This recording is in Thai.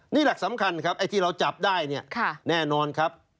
นี่หลักสำคัญครับไอ้ที่เราจับได้เนี่ยแน่นอนครับ